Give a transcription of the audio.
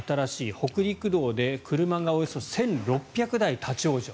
北陸道で車がおよそ１６００台立ち往生。